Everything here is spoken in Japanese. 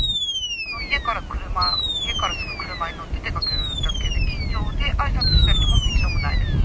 家から車、家からすぐ車に乗って出かけるだけで、近所であいさつしたりとかも一度もないですし。